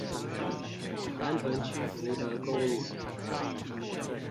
南屯區福德公園